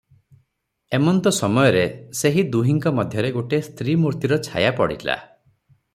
ଏମନ୍ତ ସମୟରେ ସେହି ଦୁହିଁଙ୍କ ମଧ୍ୟରେ ଗୋଟିଏ ସ୍ତ୍ରୀ ମୂର୍ତ୍ତିର ଛାୟା ପଡ଼ିଲା ।